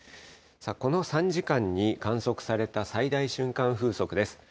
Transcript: この３時間に観測された最大瞬間風速です。